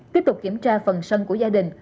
tiếp tục kiểm tra phần sân của gia đình